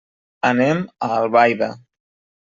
Anem a Albaida.